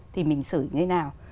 thì mình xử như thế nào